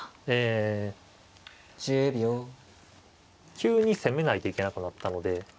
急に攻めないといけなくなったので。